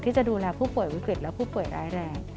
ที่จะดูแลผู้ป่วยวิกฤตและผู้ป่วยร้ายแรง